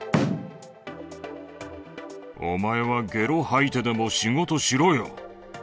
お前はげろ吐いてでも仕事しろよ。